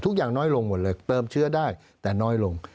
อย่างน้อยลงหมดเลยเติมเชื้อได้แต่น้อยลง